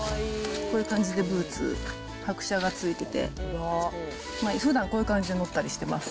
こういう感じで、ブーツ、拍車がついてて、ふだん、こういう感じで乗ったりしてます。